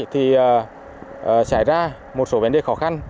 thì xảy ra một số vấn đề khó khăn